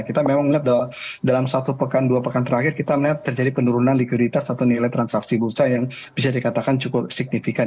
kita memang melihat bahwa dalam satu pekan dua pekan terakhir kita melihat terjadi penurunan likuiditas atau nilai transaksi bursa yang bisa dikatakan cukup signifikan